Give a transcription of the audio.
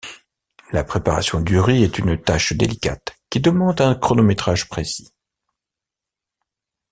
La préparation du riz est une tâche délicate, qui demande un chronométrage précis.